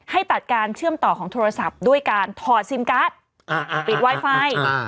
ให้ตัดการเชื่อมต่อของโทรศัพท์ด้วยการถอดซิมการ์ดปิดไวไฟ